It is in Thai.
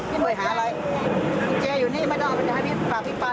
พี่เจอยู่นี่ไม่ต้องให้ฝากพี่ปัน